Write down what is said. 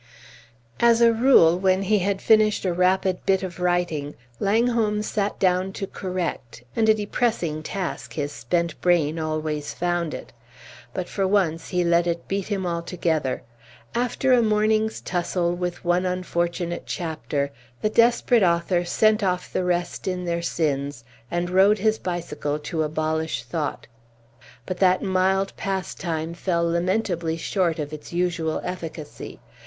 As a rule when he had finished a rapid bit of writing, Langholm sat down to correct, and a depressing task his spent brain always found it; but for once he let it beat him altogether. After a morning's tussle with one unfortunate chapter, the desperate author sent off the rest in their sins, and rode his bicycle to abolish thought. But that mild pastime fell lamentably short of its usual efficacy.